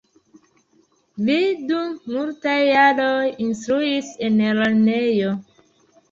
Li dum multaj jaroj instruis en lernejo.